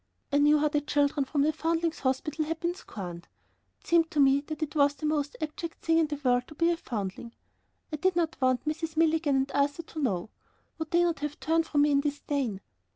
I knew how the children from the Foundlings' Hospital had been scorned. It seemed to me that it was the most abject thing in the world to be a foundling. I did not want Mrs. Milligan and Arthur to know. Would they not have turned from me in disdain!